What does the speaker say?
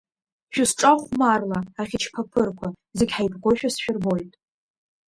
Шәысҿахәмарла ахьычԥаԥырқәа, зегь ҳаибгоушәа сшәырбоит.